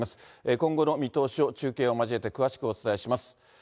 今後の見通しを中継を交えて詳しくお伝えします。